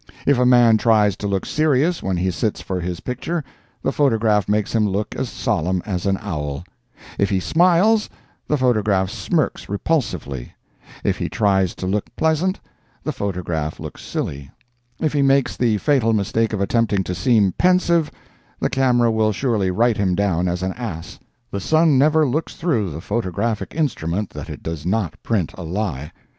If a man tries to look serious when he sits for his picture the photograph makes him look as solemn as an owl; if he smiles, the photograph smirks repulsively; if he tries to look pleasant, the photograph looks silly; if he makes the fatal mistake of attempting to seem pensive, the camera will surely write him down as an ass. The sun never looks through the photographic instrument that it does not print a lie.